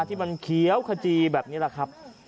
ที่มันเขียวขจีแบบนี้แหละครับ